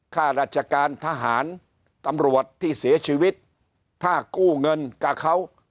ข้าราชการทหารตำรวจที่เสียชีวิตถ้ากู้เงินกับเขา